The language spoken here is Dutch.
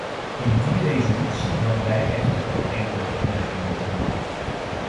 In die resolutie hadden wij echter ook enkele opmerkingen gemaakt.